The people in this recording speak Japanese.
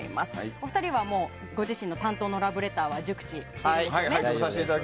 お二人はご自身の担当のラブレターは熟知していますよね。